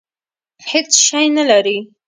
هېڅ شی نه لري.